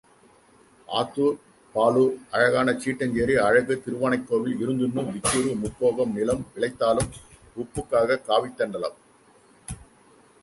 ஆத்தூர் பாலூர் அழகான சீட்டஞ்சேரி, அழகு திருவானைக் கோவில் இருந்துண்ணும் விச்சூரு முப்போகம் நிலம் விளைத்தாலும் உப்புக்காகாத காவித்தண்டலம்.